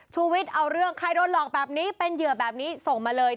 ชูวิทย์เอาเรื่องใครโดนหลอกแบบนี้เป็นเหยื่อแบบนี้ส่งมาเลย